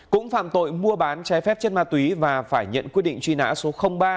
cũng phạm tội mua bán trái phép chất ma túy và phải nhận quyết định truy nã số ba